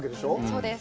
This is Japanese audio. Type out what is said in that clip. そうです。